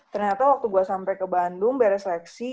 ternyata waktu gua sampe ke bandung beley seleksi